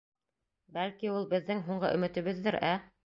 Бәлки, ул беҙҙең һуңғы өмөтөбөҙҙөр, ә?